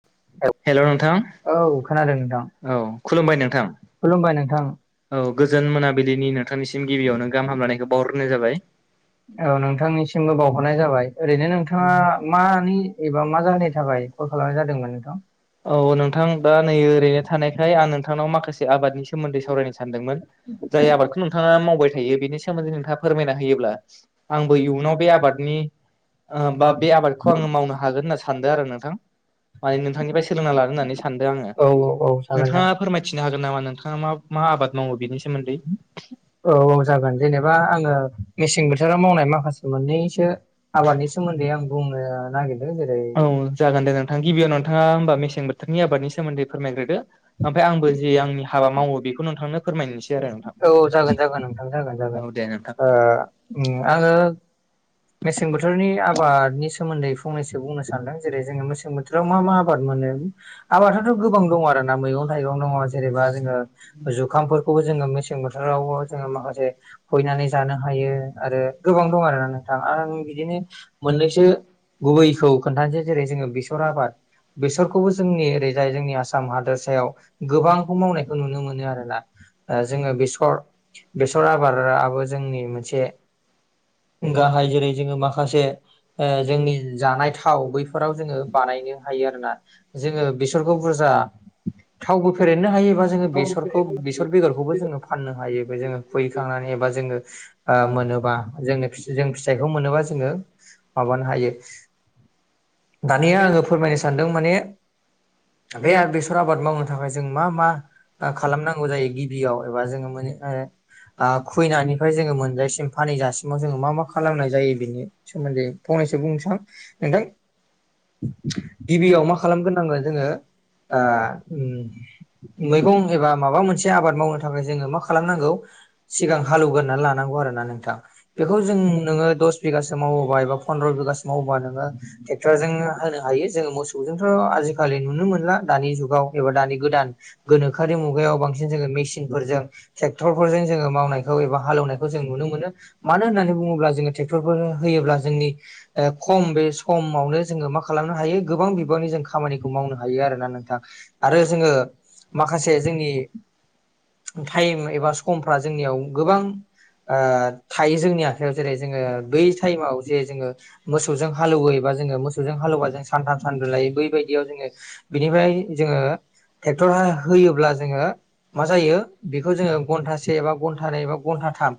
[inaudible] हेल' नोंथां, [unintelligible] औ खुलुमबाय नोंथां। [unintelligible] औ गोजोन मोनाबिलिनि नोंथांनिसिम गिबियावनो गाहाम हामलायनायखौ बावहरग्रोनाय जाबाय। औ नोंथांनिसिमबो बावहरनाय जाबाय। ओरैनो नों थाङा मानि एबा मा जाहोननि थाखाय कल खालामनाय जादोंमोन नोंथां? औ नोंथां दा नै ओरैनो थानायखाय आं नोंथांनाव माखासे आबादनि सोमोन्दै सावरायनो सानदोंमोन। जाय आबादखौ नोंथाङा मावबाय थायो बेनि सोमोन्दै नोंथाङा फोरमायना होयोब्ला आंबो इयुनाव बे आबादनि ओ बा बे आबादखौ आङो मावनो हागोन होनना सानदों आरो नोंथां। माने नोंथांनिफ्राय सोलोंना लानो होननानै सानदो आङो। नोंथाङा फोरमायथिनो हागोन नामा नोंथाङा मा मा आबाद मावो बिनि सोमोन्दै? औ औ जागोन, जेनोबा आङो मेसें बोथोराव मावनाय माखासे मोननैसो आबादनि सो मोन्दै आं बुंनो नागिरदो जेरै गिबियाव नोंथाङा होमबा मेसें बोथोरनि आबादनि सोमोन्दै फोरमायग्रोदो। ओमफाय आंबो जि आंनि हाबा मावो बेखौ नोंथांनो फोरमायनोसै आरो नोंथां। औ दे नोंथां। मेसें बोथोरनि आ बादनि सोमोन्दै फंनैसो बुंनो सानदों जेरै जोङो मोसें बोथोराव मा मा आबाद मोनो? आबादआथ' गोबां दङ आरो ना मैगं थाइगं दङ जेनोबा जोङो जुखामफोरखौबो जोङो मेसें बोथोरावबो जो ङो माखासे हयनानै जानो हायो आरो गोबां दं आरोना नोथां। आं बिदिनो मोननैसो गुबैखौ खोन्थानोसै जेरै जोङो बेसर आबाद। बेसरखौबो जोंनि ओरैजाय जोंनि आसाम हादोरसायाव गोबांखौ मावनायखौ नुनो मोनो आरोना। ओ जोङो बेसर बेसर आबादाबो जोंनि मोनसे [inaudible] गाहाय जेरै जोङो माखासे ओ जोंनि जानाय थाव बैफोराव जोङो बानायनो हायो आरोना। जोङो बेसरखौ बुरजा थावबो फेरेदनो हायो बा जोङो बेसरखौ बेसर बेगरखौबो जोङो फाननौ हायो। खुखांनानै एबा जोङो ओम मोनोबा जोङो फि जों फिथाइखौ मोनोबा जोङो माबानो हायो दानिया आङो फोरमायनो सानदों माने बे बेसर आबाद मावनो थाखाय जों मा मा ओ खालामनांगौ जायो गिबियाव एबा जोङो माने ओ ओ खुइनायनिफ्राय जोङो मोनजासिम फानैजासिमाव जोङो मा मा खालामनाय जायो बेनि सोमोन्दै फंनैसो बुंनोसां नोंथां। गिबियाव मा खालामग्रोनांगोन जोङो ओ उम मैगं एबा माबा मोनसे आबाद मावनो थाखाय जोङो मा खालामनांगौ सिगां हालौवगोरनानै लानांगौ आरो ना नोंथां। बेखौ जों नोङो दस बिगासो मावोबा एबा पन्द्र' बिगासो मावोबा नोङो टेक्टर जोंनो होनो हायो। जोङो मोसौजोंथ' आजिखालि नुनो मोनला दानि जुगाव एबा दानि गोदान गोनोखोआरि मुगायाव बां सिन जोङो मिसिनफोरजो टेक्टरफोरजों जोङो मावनायखौ एबा हालौनायखौ जों नुनो मोनो। मानो होननानै बुङोब्ला जोङो टेक्टरफोर होयोब्ला जोंनि ओ खम बे समावनो जोङो मा खालामनो हायो गोबां बिबांनि जों खामानिखौ मावनो हायो आरोना नोंथां आरो जोङो माखासे जोंनि टाइम एबा समफ्रा जोंनियाव गोबां ओ थायो जोंनि आखायाव जेरै जोङो बै टाइमाव जे जोङो मोसौजों हालौवो एबा जोङो मोसौजों हालौबा जों सानथाम सानब्रै लायो बैबायदियाव जोङो बिनिफ्राय जोङो टेक्टर हा होयोब्ला जोङो मा जायो बेखौ जोङो घन्टा से एबा घन्टा नै एबा घन्टा थाम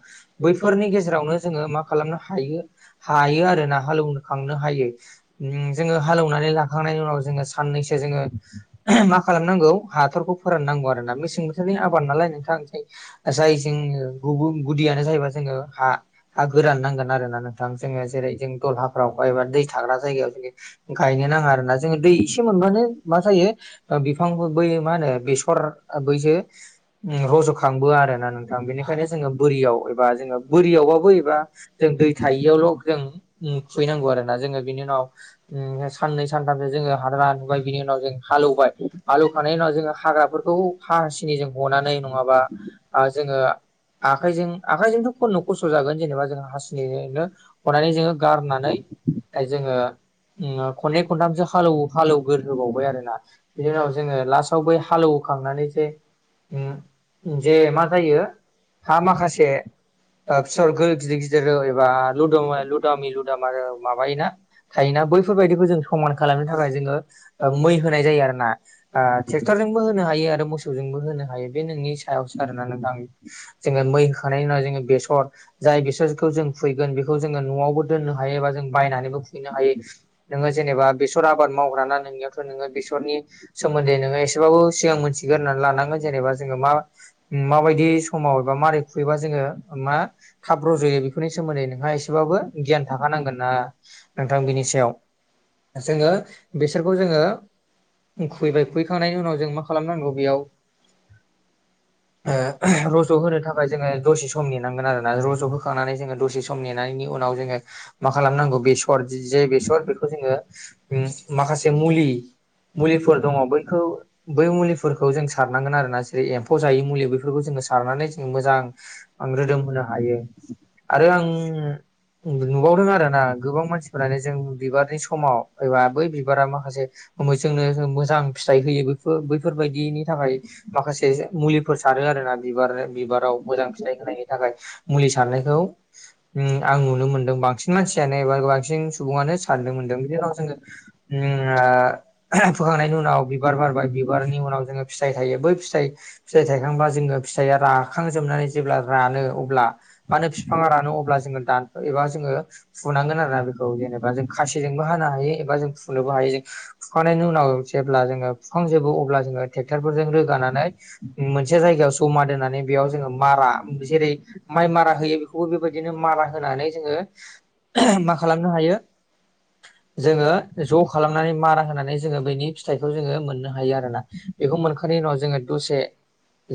बैफोरनि गेजेरावनो जोङो मा खालामनो हायो हायो आरोना हालौखांनो हायो उम जो ङो हालौनानै लाखांनायनि उनाव जोङो साननैसो जोङो मा खालामनांगौ हाथरखौ फोराननांगौ आरोना। मेसें बोथोरनि आबाद नालाय नोंथां जाय जोङो गुबु गुदियानो जाहैबा जोङो हा। हा गोरान नांगोन आरो ना नोंथां जोङो जेरै जों दलहाफ्राव बा एबा दै थाग्रा जायगायाव जेरै गायनो नाङा आरोना जोङो दै एसे मोनबानो मा जायो बिफां बै मा होनो बेसर ओ बैजो उम रज'खांबो आरो ना नोंथां बेनिखायनो जोङो बोरियाव एबा जोङो बोरियावबाबो बा जों दै थायियावल' जों उम खुहैनांगौ आरो ना जोङो बिनि उनाव उम साननै सानथामसो जोङो हाद्रा नुबाय बिनि उनाव जों हालैबाय हालौखांनायनि उनाव जोङो हाग्राफोरखौ खौ हा सिनिजों हनानै नङाबा ओ जोङो आखाइजों आखाइजोंथ' खनो' खस्थ' जागोन जेनेबा जों हासिनिजोंनो हनानै जोङो गारनानै जोङो उम खननै खनथामसो हालोव हालोवगोरहोबावबाय आरो ना बिनि उनाव जोङो लास्टाव बै हालौखां खांनानै जे उम जे मा जायो हा माखासे थर गिदिर गिदिर एबा लुमै लुदामि लुदामा माबायोना थायोना बैफोरबायदिखौ जों सनमान खालामनो थाखाय जोङो मै होनाय जायो आरोना ओ ट्रेक्टर जों बो होनो हायो आरो मोसौ जोंबो होनो हायो बे नोंनि सायाव आरोना नोंथां जोंङो मै होखानानि उन बेसर जाय बेसरखौ जों फैगोन बेखौ जोङो न'आवबो दोननो हायो एबा जों बायनानैबो हैनो हायो नोङो जेनेबा बेसर आबाद मावग्रा ना नोंनियावथ' नोङो बेसरनि सोमोन्दै नोङो मोनसेबाबो सिगां मोनथिगोननानै लानांगोन जेनेबा जोङो मा माबायदि समाव एबा मारोरै खुबयोबा जों ओ मा थाब ज'यो बेफोरनि सोमोन्दै नोंहा एसेबाबो गियान थाखानांगोन ना नोंथां बिनि सायाव जोङो बेसरखौ जोङो खुबैबाय खुबैखांनायनि उनाव जों मा खालामनांगौ बेयाव [unintelligible] होखांनानै जोङो दसे सम नेनायनि उनाव जोङो मा खालामनांगौ बेसर जि जे बेसर बेखौ जोङो उम माखासे मुलि मुलिफोर दङ बैखौ बै मुलिफोरखौ जों सारनांगोन आरोना जेरै एम्फौ जायैनि बेफोरखौ जोङो सारनानै जोङो मोजां रोदोम होनो हायो आरो आं नुबावदों आरो ना गोबां मानसिफोरानो जों बिबारनि समाव एबा बै बिबारा माखासे जोंनो मोजां फिथाइ होयोफोर बैफोरबायदिनि थाखाय माखासे मुलिफोर सारो आरोना बिबार बिबाराव मोजां फिथाइ होनायनि थाखाय मुलि सारनायखौ उम आं नुनो मोनदों बांसिन मानसियानो एबा बांसिन सुबुङानो सारनो मोनदों जोङो ओ फोखांनायनि उनाव बिबार बारबाय बिबारनि उनाव जोङो फिथाइ थायो बै फिथाइ फिथाइ थाइखांबा जोङो फिथाइया राखांजोबनानै जेब्ला रानो अब्ला मानो बिफांङा रानो अब्ला जोङो दानफो एबा जोङो फुनांगोन आरो ना बेखौ जेनेबा जों खासिजोंबो हानो हायो एबा जों फुंनोबो हायो जों फुखांनायनि उनाव जेब्ला जोङो फुखांजोबो अब्ला जोङो ट्रेक्टरफोरजों रोगानानै मोन जामा दोननानै बेयाव जोङो मारा जेरै माइ मारा होयो बेखौबो बेबायदिनो मारा होनानै जोङो मा खालामनो हायो। [inaudible] जोङो ज' खालामनानै मारा होनानै जोङो बेनि फिथाइखौ जोङो मोननो हायो आरोना बेखौ मोनखानाय निउनाव जोङो दसे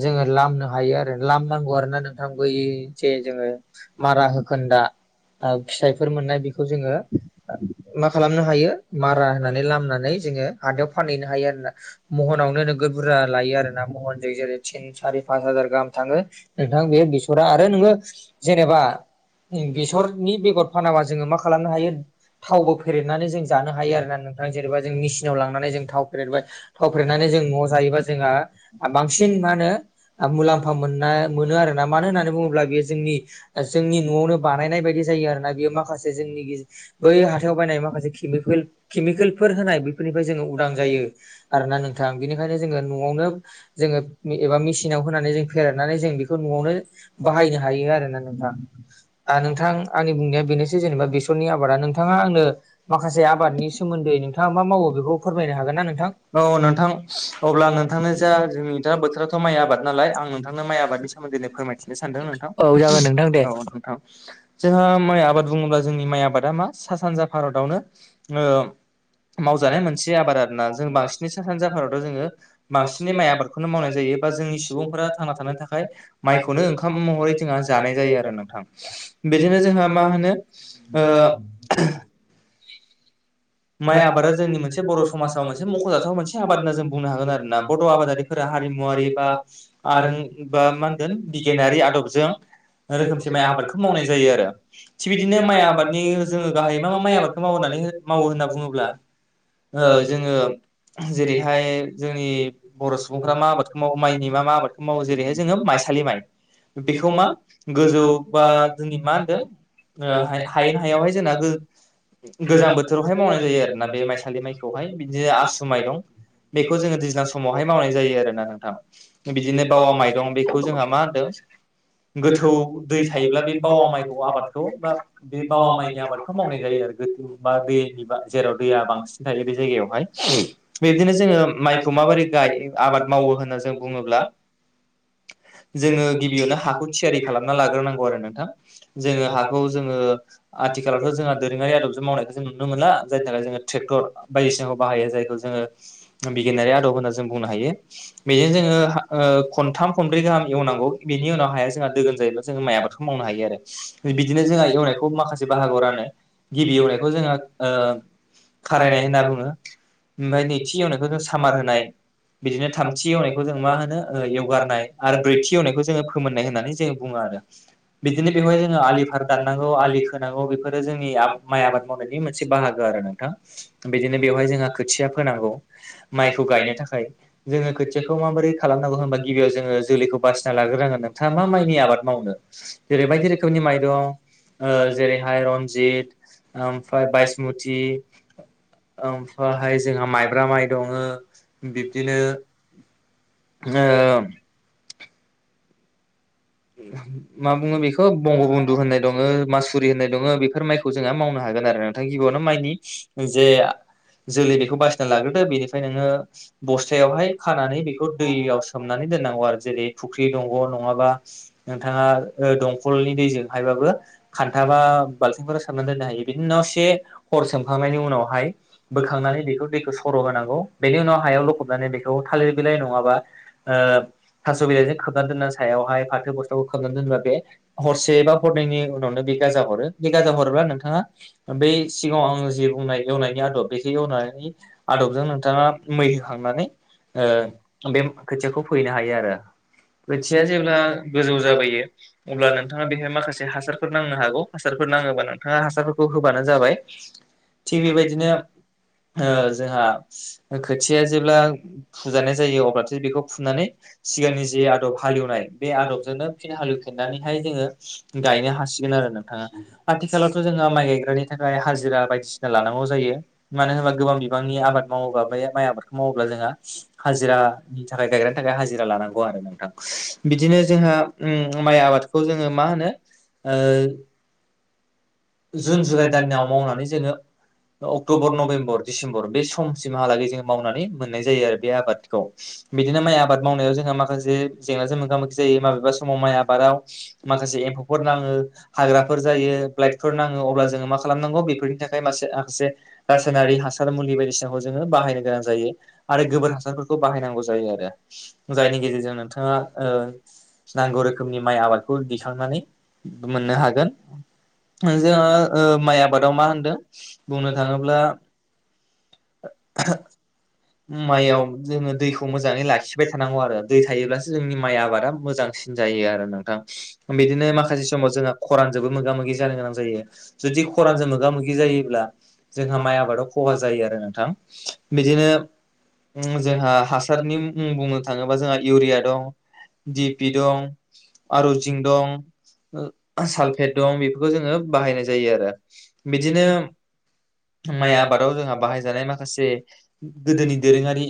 जोङो लामनो हायो आरो लाम नांगौ आरोना नोंथां बै जे जोङो मारा होखोन्दा ओ फिथाइफोर मोननाय बेखौ जोङो मा खालामनो हायो मारा होननानै लामनानै जोङो हाथायाव फानहैनो हायो आरो ना महनावनो नोगद बुरजा लायो आरोना महनजों जेरै तिन, सारि, पास हाजार गाहाम थाङो नोंथां बे बेसरा आरो नोङो जेनेबा बेसरनि बेगर फानाबा जोङो मा खालामनो हायो थावबो फेरनानै जों जानो हायो आरो ना नों थां जेनेबा जों मेसिनाव लनानै जों थाव फेरबाय थाव फेरनानै जों न'आव जायोबा जोंहा बांसिन मा ओ मुलाम्फा मोना मोनो आरोना मानो होननानै बुङोब्ला बियो जोंनि जोंनि न'आवनो बानायनाय बायदि जायो आरोना बेयो माखासे जोंनि गि बै हाथायाव बायनाय मा माखासे केमिफिल केमिकेलफोर होनाय बेफोरनिफ्राय जोङो उदां जायो आरोना नोंथां बेनिखायनो जोङो न'आवनो जोङो एबा मेचनाव होनानै जों फेरनानै जों बेखौ न'आवनो बाहायनो हायो आरोना नोंथां नोंथां आंनि बुंनाया बेनोसै जेनेबा बेसरनि आबादा नोंथाङा आंनो माखासे आबाद सोमोन्दै नोंथाङा मा मावै बेखौ फोरमायबाय आरो ना नोंथां औ नोंथां अब्ला आं नोंथांनो जा जोंनि दा बोथोराथ' माइ आबाद नालाय आं नोंथांनो माइ आबादनि सोमोन्दै फोरमायथिनो सानदों नोंथां औ नोंथां जोंहा माइ आबाद बुङोब्ला जोंनि माइ आबा बादामा सा सानजा भारतावनो ओ मावजानाय मोनसे आबाद आरोना जों बांसिननि सा सानजा आफादताव जोङो बांसिननि माइ आबादखौनो मावनाय जायो बा जोंनि सुबुंफोरा थांना थानो थाखाय माइखौनो ओंखाम महरै जोंहा जानाय जायो आरो नोंथां बिदिनो जोंहा मा होनो [inaudible] माइ आबादा जोंनि मोनसे बर' समाजाव मोनसे मख'जाथाव मोनसे आबाद होनना जों बुंनो हागोन आरो ना बड' आबादारिफोरा हारिमुवारि बा आरो बा मा होनदों बिगियानारि आदबजों रोखोमसे माइ आबादखौ मावनाय जायो आरो थिग बिदिनो माइ आबादनि जोङो गाहायै मा मा माइ आबादखौ मावनानै मावो होनना बुङोब्ला औ [unintelligible] जेरैहाय जोंनि बर' सुबुंफ मा आबादखौ मावो माइनि मा मा आबादखौ मावो जेरैहाय जोङो माइ सालिमाइ बेखौ मा गोजौ बा जोंनि मा होनदों हायनो हायावहाय जोंना गोजां बोथोर मावनाय जायो आरोना बे माइसालि माइखौहाय बिदिनो आसु माइ दं बेखौ जोङो दैज्लां समावहाय मावनाय जायो आरोना नोंथां बिदिनो बावा माइरं बेखौ जोंहा मा होनदों [inaudible] गोथौ दै थायोब्ला बे बावा माइखौ आबादखौ बा बे बावा माइनि आबादखौ मावनाय जायो आरो मा दैनि जेराव दैया बांसिन थायो बे जायगायावहाय बेदिनो जोङो माइखौ माबोरै गाय आबाद मावो होनना जों बुङोब्ला जोङो गिबियावनो हाखौ थियारि खालामना लाग्रोनांगौ आरो नोंथां जोङो हाखौ जोङो आथिखालाव' जोंहा दोरोङारि आदजों मावनायखौ जों नुो जायनि थाखाय जोङो ट्रेक्टर बायदिसिनाखौ बाहायो जायखौ जोङो बिगियानारि आदब होनना जों बुंनो हायो बेजों जोङो खनथाम खनब्रै गाहाम एवनांगौ बेनि उनाव हाया जोंहा दोगोन जायोब्ला' जोङो माइ आबादखौ माव मावनो हायो आरो बिदिनो जोंहा एवनायखौ माखासे बाहागोआव रानो गिबि एवनायखौ जों खारायनाय होनना बुङो ओमफ्राय नैथि एवनायखौ जों सामार होनाय बिदिनो थामथि एवनायखौ जों मा होनो एवगारनाय आरो ब्रैथि एवनायखौ जोङो फोमोननाय होननानै जोो बुङो आरो बिदिनो बेवहाय जोङो आलि फार दाननांगौ आलि खोनांगौ बेफोरो जोंनि माइ आबाद मावनायनि मोनसे नोंथां बिदिनो बेवहाय जोंहा खोथिया फोनांगौ माइखौ गायनो थाखाय जोङो खोथियाखौ माबोरै खालामनांगौ होनबा गिबियाव जोङो जोलैखौ बासिना लाग्रोङोन नोंथाङा मा माइनि आबाद मावनो जेरैबायदि रोखोमनि माइरं जेरैहाय रनजित मथि ओमफ्रायहाय जोंहा माइब्रा माइ दङ बिब्दिनो [unintelligible] मा बुङो बेखौ बंगबन्धु होननाय दङ मासुरि होननाय दङ बेफोर माइखौ जोंहा मावनो हागोन आरो नोंथां गिबियावनो माइनि जे जोलै बेखौ बासिना लाग्रोदो बेनिफ्राय नोङो बस्थायावहाय खानानै बेखौ दैयाव सोमनानै दोननांगौ आरो जेरै फुख्रि दंग' नङाबा दंखलनि दैजों हायबाबो खान्था बा बाल्थिंफोरा सारनानै दोननो हायो बिनि उनाव से हर सोमखांनायनि उनावहाय बोखांनानै बेखौ दैखौ सर' होनांगौ बेनि उनाव हायाव लखबनानै थालिर बिलाइ नङा ओ बिइजों खोबनानै दोननानै सायावाय फाथो ब खालामनानै दोनोबा बे हरसे बा हरनायनि उनावनो बे गाजा हरो बे गाजा हरोब्ला नोंथाङा बै सिगाङाव आं जि बुंनाय एवनायनि आदब बेखौ एवनायनि आदबजों नोंथाङा मै होखांनानै ओ बे खोथियाखौ फैनो हायो आरो खोथिया जेब्ला गोजौ जाबोयो अब्ला नोंथाङा बेवहाय माखासे हासारफोर नांनो हागौ हासारफोर नाङोबा नोंथाङा हासारफोरखौ होबानो जाबाय जनि बदिनो जोंहा खोथिया जेबब्ला हुदानाय जायो अब्लास बेखौ फुनानै सिगांनिसो आग' फालिबाय हालवनानै जों गायनो हासिगोन नोंथाङा आथिालावथ जोहा माइ बनि थाखाय हाजिरा बायदिसिना लानांगौ जायो मानो होनबा गोबां बिबांनि आबाद मावोबा बे माइ आबादखौ माव ओब्ला जोंहा हाजिरानि थाखाय गाय्रानि थाखाय हाजिरा लानांगौ आरो नोंथां बिदिनो जों उम माइ आबादखौ जोङो मा होनो जुन जुलाइ दानाव मावनानै जोङो अक्ट'बर नभेम्बर डिसेम्बर बे समसिमहालागै जोङ मावनानै मोननाय जायो आरो बे आबादखौ बिदिनो माइ आबाद मावनायाव जोंहा माखासे जेंनाजों मोगा मोगि जायो माबेबा समाव माइ आबादाव माखासे एम्फौफोर नाङो हाग्राफोर जायो फोर नाङो अब्ला जो मा खालामनांगौ बेफोरनि थाखाय माखसे रनारि हासार म बायदिसिना जो ब बायनो गोनां जायो आरो गोबोर हासार बनौ जायो आरो जायनि गेजेरजों नोंथाङा नांगौ रोखोमनि माइ आबादखौ दिखांनानै मोननो हागोन जोङो माइ आबादाव मा होनदों बुंनो थाङोब्ला [inaudible] उम माइयाव जोङो दैखौ मोजांङै लाखिबाय थानांगौ आरो दै थायोब्लासो जोंनि माइ आबादा मोजांसि न जायो आरो नोंथां बिदिनो माखासे समाव जोंहा खरान जबो मोगा मोगि जानो गोनां जायो जुदि खरानजों मोगा मोगि जायोब्ला जोंहा माइ आबादाव खहा जायो आरो नोंथां बिदिनो जोंहा हासारनि मुं बुंनो थाङोबा जोंहा इउरिया दं दिपि दं आरजिं दं सालफेट दं बेफोरखौ जोङो बाहायनाय जायो आरो बिदिनो माइ आबादाव जोंहा बाहायजानाय माखासे गोदोनि दोरोङारि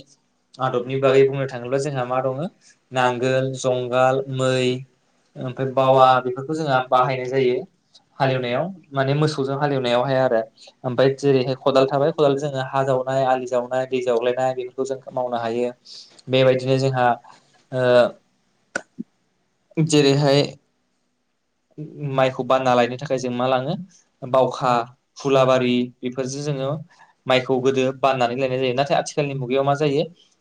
आदबनि बागै बुंनो थाङोब्ला जोंहा मा दङ नांगोल जुंगाल मै ओमफ्राय बावा बेफोरखौ जोंहा बाहायनाय जायो हालेवनायाव माने मोसौजों हालेवनायावहाय आरो ओमफ्राय जेरैहाय खदाल थाबाय खदालजों हा हनाय आलि जावनाय दै जावगलायनाय बेफोरखौ जों मावनो हायो बेबायदिनो जोंहा जेरैहाय माइखौ बानना लायनो थाखाय जों मा लाङो बावखा फुलाबारि बेफोरजों जोङो माइखौ गोदो बाननानै लायनाय जायो नाथाय आथिखालनि मुगायाव मा जायो